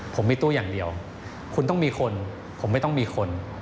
ผมมีตู้อย่างเดียวคุณต้องมีคนผมไม่ต้องมีคน